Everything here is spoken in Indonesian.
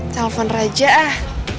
telepon raja ah